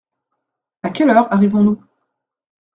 À quelle heure arrivons-nous ?